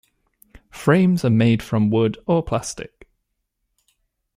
Frames are made from wood or plastic.